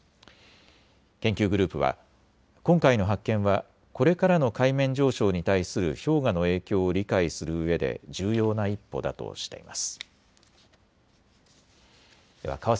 研究グループは今回の発見はこれからの海面上昇に対する氷河の影響を理解するうえで重要な一歩だとしています。